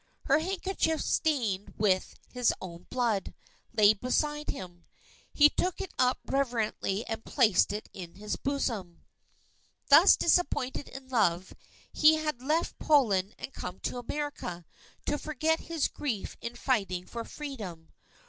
Her handkerchief stained with his own blood, lay beside him. He took it up reverently and placed it in his bosom. Thus disappointed in love, he had left Poland and come to America to forget his grief in fighting for Freedom.